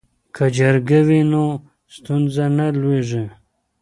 که جرګه وي نو ستونزه نه لویږي.